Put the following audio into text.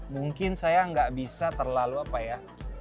mungkin saya nggak bisa terlalu apa ya